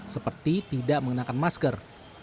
seperti tidak mengenakan masker